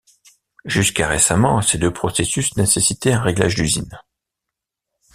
Jusqu'à récemment, ces deux processus nécessitaient un réglage d'usine.